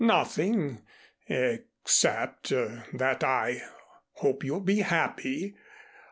"Nothing except that I hope you'll be happy.